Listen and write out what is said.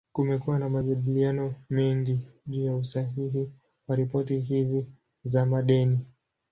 Kumekuwa na majadiliano mengi juu ya usahihi wa ripoti hizi za madeni.